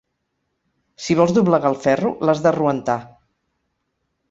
Si vols doblegar el ferro, l'has d'arroentar.